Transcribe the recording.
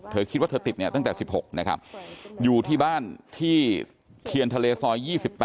เธอคิดว่าติดตั้งแต่๑๖อยู่ที่บ้านที่เทียนทะเลซอย๒๘